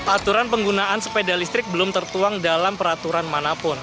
aturan penggunaan sepeda listrik belum tertuang dalam peraturan manapun